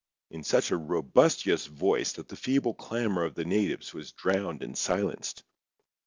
in such a robustious voice that the feeble clamour of the natives was drowned and silenced.